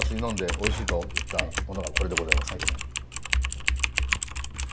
おいしいと言ったものがこれでございますけども。